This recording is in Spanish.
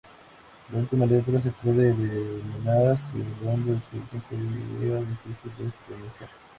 La última letra se puede eliminar si el nombre resultante sería difícil de pronunciar.